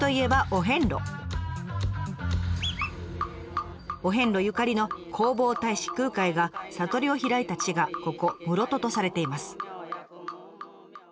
お遍路ゆかりの弘法大師空海が悟りを開いた地がここ室戸とされています。